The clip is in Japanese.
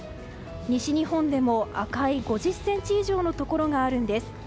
西日本でも赤い５０ｃｍ以上のところがあるんです。